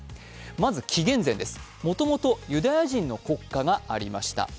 まず紀元前です、もともとユダヤ人の国家がありました。